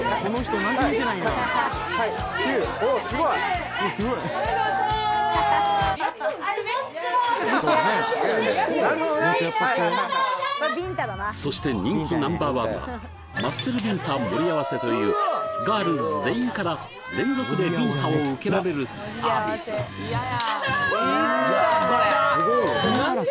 はいはいはいそして人気ナンバーワンがマッスルビンタ盛り合わせというガールズ全員から連続でビンタを受けられるサービスマッスル！